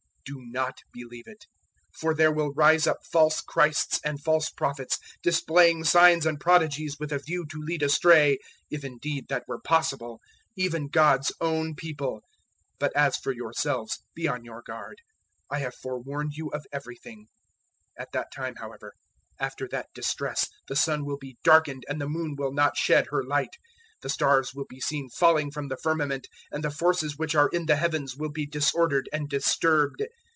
do not believe it. 013:022 For there will rise up false Christs and false prophets, displaying signs and prodigies with a view to lead astray if indeed that were possible even God's own People. 013:023 But as for yourselves, be on your guard: I have forewarned you of everything. 013:024 "At that time, however, after that distress, the sun will be darkened and the moon will not shed her light; 013:025 the stars will be seen falling from the firmament, and the forces which are in the heavens will be disordered and disturbed.